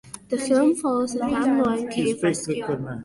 The film follows the Tham Luang cave rescue.